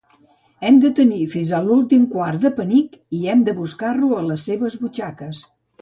Hem de tenir "fins a l'últim quart de penic" i "hem de buscar-lo a les seves butxaques".